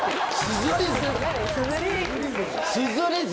「すずりず」